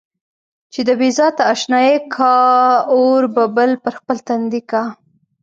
چې د بې ذاته اشنايي کا اور به بل پر خپل تندي کا.